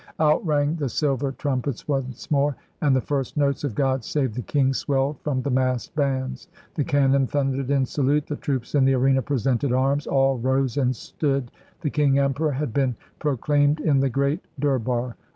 Out rang the silver trumpets once more, and the first notes of " God Save the King" swelled from the massed bands. The cannon thundered in salute, the troops in the arena presented arms, all rose and stood: the King Emperor had been proclaimed in the Great Durbar.